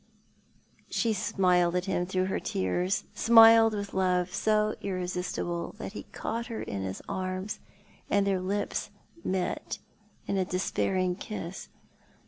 She smiled at him through her tears — smiled with love so irresistible that he caught her in his arms and their lips met in a despairing kiss.